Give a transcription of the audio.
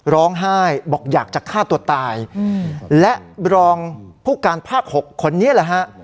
ร้องไห้บอกอยากจะฆ่าตัวตายและรองผู้การภาค๖คนนี้แหละฮะ